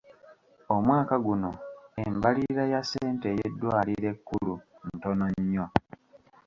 Omwaka guno embalirira ya ssente ey'eddwaliro ekkulu ntono nnyo.